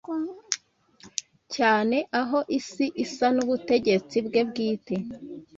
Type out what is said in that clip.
cyane aho isi isa nubutegetsi bwe bwite!